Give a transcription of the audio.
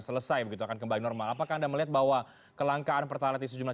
selesai begitu akan kembali normal apakah anda melihat bahwa kelangkaan pertalite di sejumlah